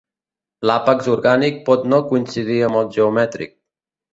L'àpex orgànic pot no coincidir amb el geomètric.